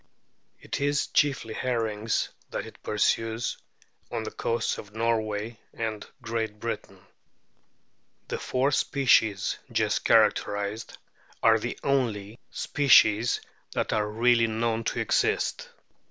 It is chiefly herrings that it pursues on the coasts of Norway and Great Britain. The four species just characterised are the only RORQUALS 159 species that are really known to exist.